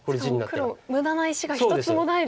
しかも黒無駄な石が一つもないですね。